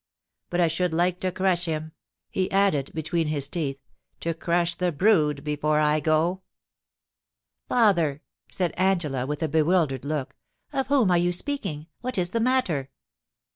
. But I should like to crush him,' he added, between his teeth —* to crush the brood before I go !'* Father !' said Angela, with a bewildered look, * of whom are you speaking ? What is the matter